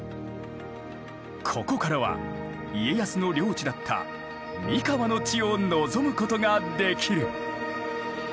ここからは家康の領地だった三河の地を望むことができる。